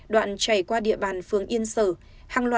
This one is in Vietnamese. đoạn chảy qua địa bàn phường yên sở